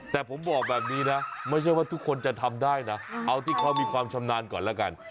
แต่ผมบอกแบบนี้นะไม่ใช่ว่าทุกคนจะทำได้นะเอาที่เขามีความชำนาญก่อนแล้วกัน